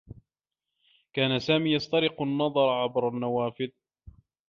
كان سامي يسترق النّظر عبر النّوافذ.